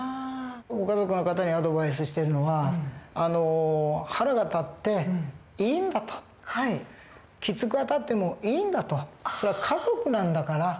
ご家族の方にアドバイスしてるのは腹が立っていいんだときつくあたってもいいんだとそれは家族なんだから。